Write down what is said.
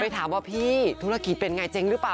ถามว่าพี่ธุรกิจเป็นไงเจ๊งหรือเปล่า